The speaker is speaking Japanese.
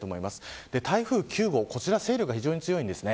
台風９号は勢力が非常に強いです。